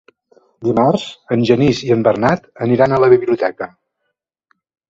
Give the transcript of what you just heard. Dimarts en Genís i en Bernat aniran a la biblioteca.